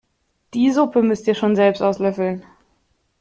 Die Suppe müsst ihr schon selbst auslöffeln!